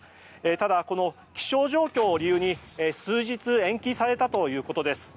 ただ、この気象状況を理由に数日延期されたということです。